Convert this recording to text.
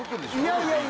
いやいや